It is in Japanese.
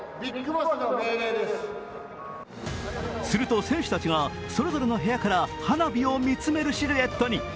すると、選手たちがそれぞれの部屋から花火を見つめるシルエットに。